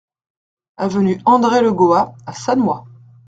Avenue André Le Goas à Sannois